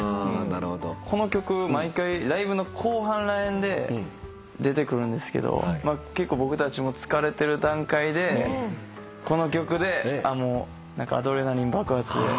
この曲毎回ライブの後半らへんで出てくるんですけど結構僕たちも疲れてる段階でこの曲でアドレナリン爆発で。